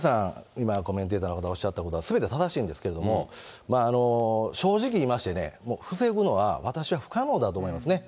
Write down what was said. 今、コメンテーターの方がおっしゃったことはすべて正しいんですけれども、正直言いましてね、防ぐのは私は不可能だと思いますね。